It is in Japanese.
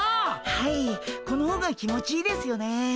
はいこの方が気持ちいいですよね。